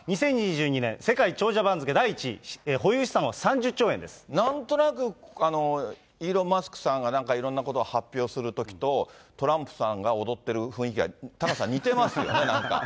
２０２２年、世界長者番付第１位、なんとなく、イーロン・マスクさんがなんかいろんなことを発表するときと、トランプさんが踊ってる雰囲気が、タカさん、似てますよね、なんか。